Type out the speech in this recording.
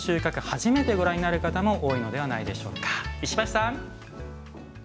初めてご覧になる方も多いのではないでしょうか。